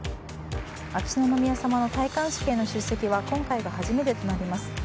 秋篠宮さまの戴冠式への出席は今回が初めてとなります。